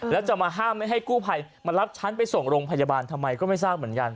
แล้วจะมาห้ามไม่ให้กู้ภัยมารับฉันไปส่งโรงพยาบาลทำไมก็ไม่ทราบเหมือนกัน